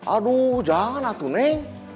aduh jangan atuh neng